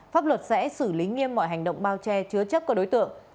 pháp luật sẽ xử lý nghiêm mọi hành động bao che chứa chấp của đối tượng